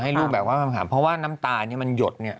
ให้ลูกก่อนคำถามเพราะว่าน้ำตาโดรนมันหยด